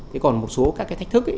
thế còn một số các cái thách thức ấy